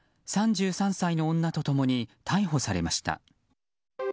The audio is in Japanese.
３３歳の女と共に逮捕されました。